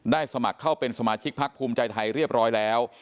สมัครเข้าเป็นสมาชิกพักภูมิใจไทยเรียบร้อยแล้ว